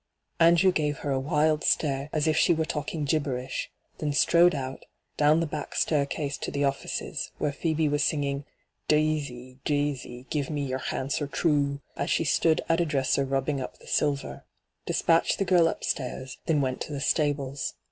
Andrew gave her a wild stare, as if she were talking gibberish, then strode oat, down the back staircase to the o£Sces, where Phcebe was singing ' Dysy, Dysy, give me yer hanswer true,' as she stood at a dresser rubbing up the silver : despatched the girl upstairs, then went to the stables.